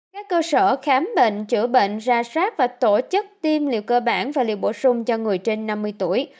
các cơ sở khám bệnh chữa bệnh ra sát và tổ chức tiêm liều cơ bản và liều bổ sung cho người trên năm mươi tuổi